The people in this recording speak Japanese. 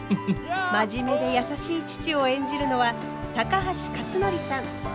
真面目で優しい父を演じるのは高橋克典さん。